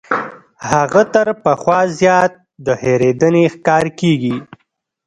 هغه تر پخوا زیات د هېرېدنې ښکار کیږي.